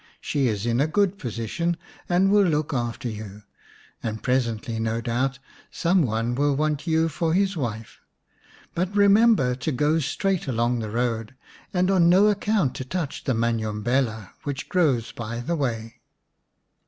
She is in a good position and will look after you, and presently, no doubt, some one will want you for his wife. But remember to go straight along the road, and on no account to touch the manumbela 1 which grows by the way."